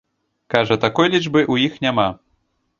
Кажа, такой лічбы ў іх няма.